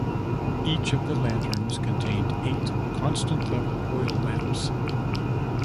Each of the lanterns contained eight constant-level oil lamps.